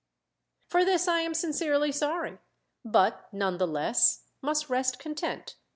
For this I am sincerely sorry, but none the less must rest content.